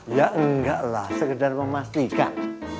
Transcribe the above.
ya enggak lah sekedar memastikan